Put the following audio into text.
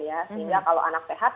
sehingga kalau anak sehat